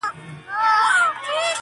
پاته له جهانه قافله به تر اسمانه وړم,